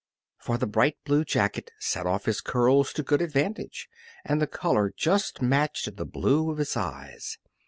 For the bright blue jacket set off his curls to good advantage, and the color just matched the blue of his eyes.